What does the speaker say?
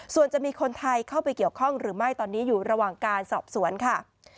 ส่วนจะมีคนไทยเข้าไปเกี่ยวข้องหรือไม่ตอนนี้อยู่ระหว่างการสอบสวนค่ะ